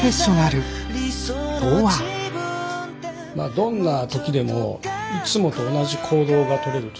どんな時でもいつもと同じ行動がとれると。